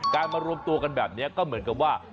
มารวมตัวกันแบบนี้ก็เหมือนกับว่า